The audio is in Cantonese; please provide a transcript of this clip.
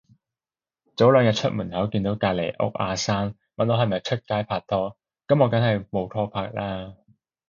早兩日出門口見到隔離屋阿生，問我係咪出街拍拖，噉我梗係冇拖拍啦